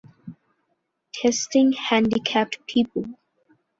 Testing handicapped people.